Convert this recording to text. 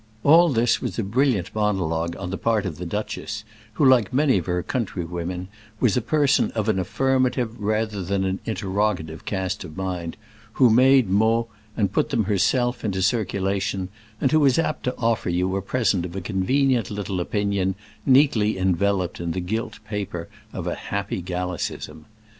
All this was a brilliant monologue on the part of the duchess, who, like many of her country women, was a person of an affirmative rather than an interrogative cast of mind, who made mots and put them herself into circulation, and who was apt to offer you a present of a convenient little opinion, neatly enveloped in the gilt paper of a happy Gallicism.